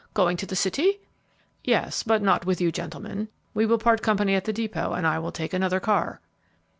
Going to the city?" "Yes; but not with you gentlemen. We will part company at the depot and I will take another car."